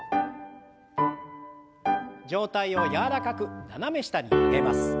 上体を柔らかく斜め下に曲げます。